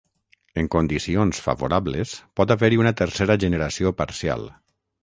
En condicions favorables pot haver-hi una tercera generació parcial.